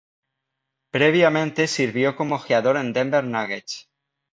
Previamente, sirvió como ojeador en Denver Nuggets.